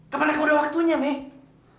kapan aku udah waktunya nek